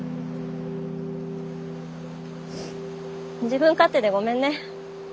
自分勝手でごめんね。